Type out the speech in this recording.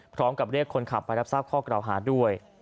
พร้อมกับเรียกคนขับไปรับทราบข้อกล่าวหาด้วย